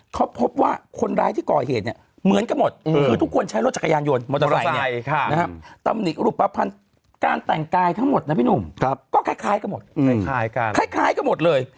เขาพบว่าคนร้ายที่ก่อเหตุเหมือนกันหมด